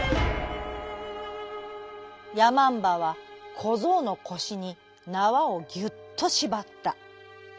やまんばはこぞうのこしになわをぎゅっとしばった。